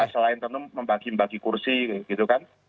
selain tentu membagi bagi kursi gitu kan